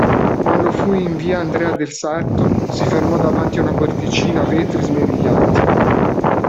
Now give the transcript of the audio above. Quando fu in via Andrea del Sarto, si fermò davanti a una porticina a vetri smerigliati.